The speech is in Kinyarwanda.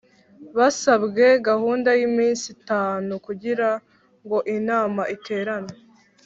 Basabwe gahunda y’iminsi itanu kugirango inama iterane